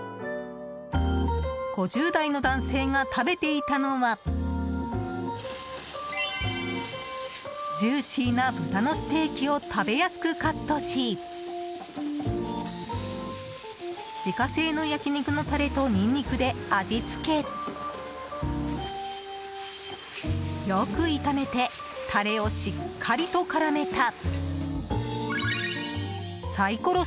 ５０代の男性が食べていたのはジューシーな豚のステーキを食べやすくカットし自家製の焼肉のタレとニンニクで味付けよく炒めてタレをしっかりと絡めたサイコロ